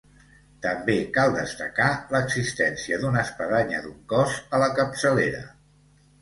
També cal destacar l'existència d'una espadanya d'un cos a la capçalera.